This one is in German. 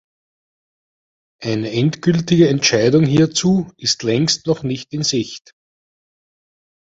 Eine endgültige Entscheidung hierzu ist längst noch nicht in Sicht.